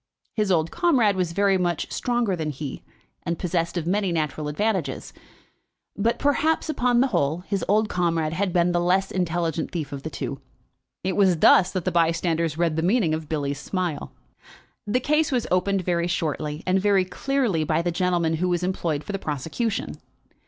His old comrade was very much stronger than he, and possessed of many natural advantages; but, perhaps, upon the whole, his old comrade had been the less intelligent thief of the two. It was thus that the bystanders read the meaning of Billy's smile. The case was opened very shortly and very clearly by the gentleman who was employed for the prosecution.